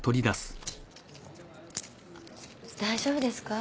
大丈夫ですか？